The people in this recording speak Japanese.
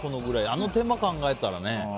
あの手間を考えたらね。